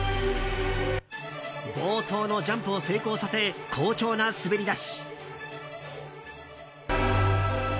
冒頭のジャンプを成功させ好調な滑り出し。